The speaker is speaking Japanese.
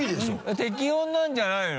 適温なんじゃないの？